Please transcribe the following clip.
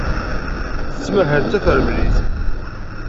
Tettmahal d tafremlit.